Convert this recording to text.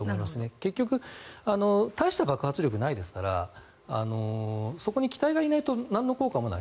結局大した爆発力はないですからそこに機体がいないとなんの効果もない。